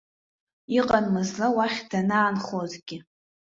Иҟан мызла уахь данаанхозгьы.